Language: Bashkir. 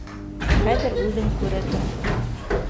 — Хәҙер үҙең күрерһең